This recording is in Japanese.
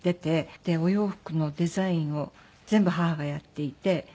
お洋服のデザインを全部母がやっていて。